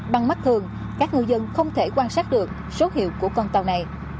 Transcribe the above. bằng mắt thường các ngư dân không thể quan sát được số hiệu của con tàu này